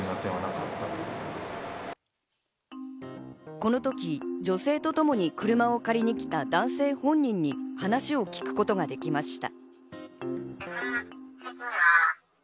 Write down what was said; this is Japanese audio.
この時、女性と共に車を借りに来た男性本人に話を聞くことができました。